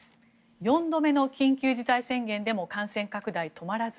４度目の緊急事態宣言でも感染拡大止まらず。